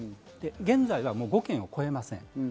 現在は５件を超えません。